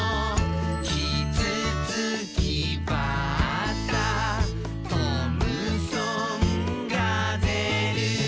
「きつつきばったとむそんがぜる」